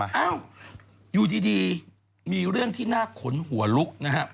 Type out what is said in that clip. เอ้าอยู่ดีมีเรื่องที่น่าขนหัวลุกนะครับ